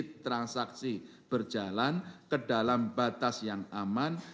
transaksi berjalan ke dalam batas yang aman